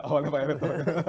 awalnya pak erick